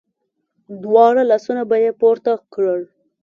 دواړه لاسونه به مې پورته کړل.